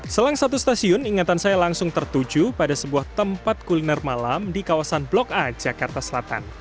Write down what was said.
selang satu stasiun ingatan saya langsung tertuju pada sebuah tempat kuliner malam di kawasan blok a jakarta selatan